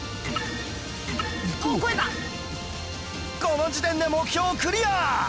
この時点で目標クリア！